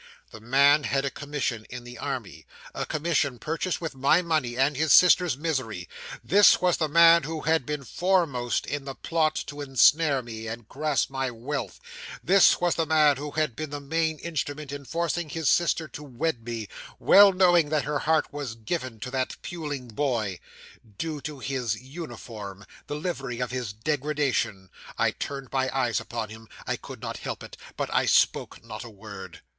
'This man had a commission in the army a commission, purchased with my money, and his sister's misery! This was the man who had been foremost in the plot to ensnare me, and grasp my wealth. This was the man who had been the main instrument in forcing his sister to wed me; well knowing that her heart was given to that puling boy. Due to his uniform! The livery of his degradation! I turned my eyes upon him I could not help it but I spoke not a word.